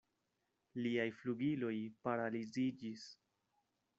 Liaj flugiloj paraliziĝis.